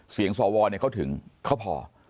เสียงสวเขาถึงเขาพอ